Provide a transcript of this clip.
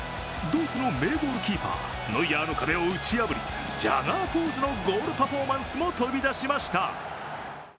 ドイツの名ゴールキーパーノイアーの壁を打ち破りジャガーポーズのゴールパフォーマンスも飛び出しました。